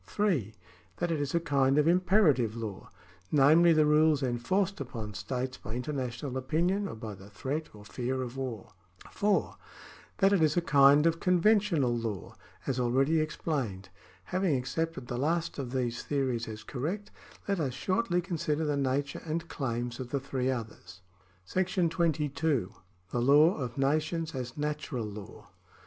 (3) That it is a kind of imperative law, namely the rules enforced upon states by international opinion or by the threat or fear of war. §21] OTHER KINDS OF LAW 59 (4) That it is a kind of conventional law, as already ex plained. Having accepted the last of these theories as correct, let us shortly consider the nature and claims of the three others. § 22. The Law of Nations as Natural Law.